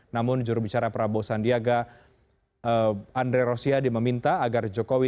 namun jurubicara prabowo sandiaga andre rosiade meminta agar jokowi